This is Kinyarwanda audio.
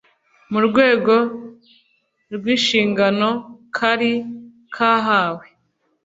mu rwego rw'inshingano kari kahawe